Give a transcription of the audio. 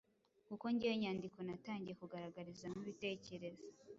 kuko ngewe inyandiko natangiye kugaragarizamo ibitekerezo